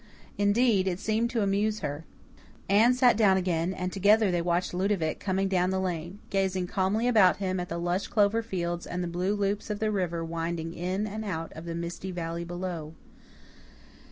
Indeed, it seemed to amuse her. Anne sat down again and together they watched Ludovic coming down the lane, gazing calmly about him at the lush clover fields and the blue loops of the river winding in and out of the misty valley below.